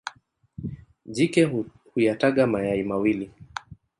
Jike huyataga mayai mawili.